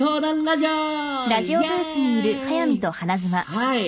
はい。